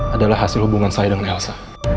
adalah hasil hubungan saya dengan elsa